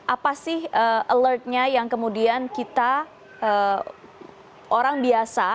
apa sih alertnya yang kemudian kita orang biasa